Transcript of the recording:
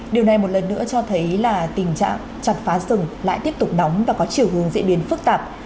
điều này một lần nữa cho thấy là tình trạng chặt phá rừng lại tiếp tục nóng và có chiều hướng diễn biến phức tạp